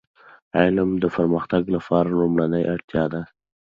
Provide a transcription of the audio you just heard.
علم د پرمختګ لپاره لومړنی اړتیا ده.